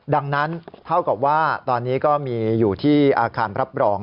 ดังนั้นเท่ากับว่าตอนนี้ก็มีอยู่ที่อาคารรับรอง